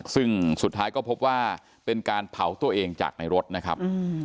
ซึ่งสุดท้ายก็พบว่าเป็นการเผาตัวเองจากในรถนะครับ